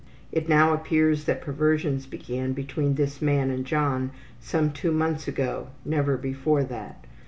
It now appears that perversions began between this man and John some two months ago, never before that.